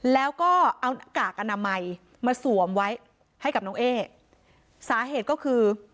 แล้วก็เอาหน้ากากอนามัยมาสวมไว้ให้กับน้องเอ๊สาเหตุก็คือ